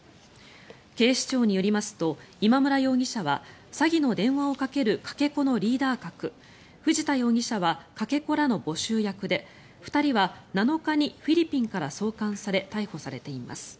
警視庁によりますと今村容疑者は詐欺の電話をかけるかけ子のリーダー格藤田容疑者はかけ子らの募集役で２人は７日にフィリピンから送還され逮捕されています。